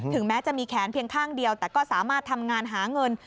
แม้จะมีแขนเพียงข้างเดียวแต่ก็สามารถทำงานหาเงิน